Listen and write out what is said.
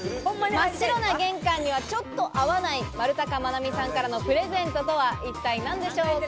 真っ白な玄関にはちょっと合わない、丸高愛実さんからのプレゼントとは一体何でしょうか。